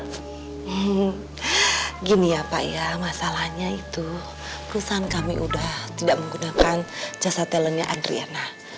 hmm gini ya pak ya masalahnya itu perusahaan kami sudah tidak menggunakan jasa talentnya adriana